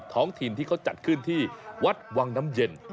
ท้องถิ่นที่เขาจัดขึ้นที่วัดวังน้ำเย็น